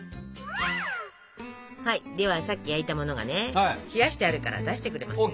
はいではさっき焼いたものがね冷やしてあるから出してくれませんか？